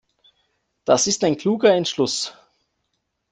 Das ist ein kluger Entschluss.